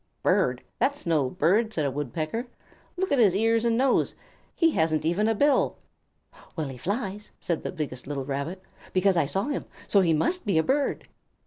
"Bird? That is no bird," said a Woodpecker. "Look at his ears and his nose. He hasn't even a bill." "Well, he flies," said the biggest little Rabbit, "because I saw him, so he must be a bird."